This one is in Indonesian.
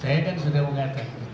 saya kan sudah mengatakan